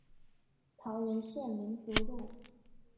桃園縣民族路